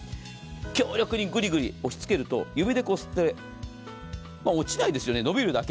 強力にぐりぐり押しつけると指でこすっても落ちないですよね、伸びるだけ。